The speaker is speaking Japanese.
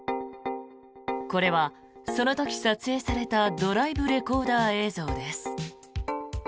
これは、その時撮影されたドライブレコーダー映像です。